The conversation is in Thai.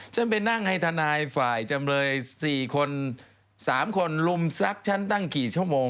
ฉันไปนั่งให้ทนายฝ่ายจำเลย๔คน๓คนลุมซักฉันตั้งกี่ชั่วโมง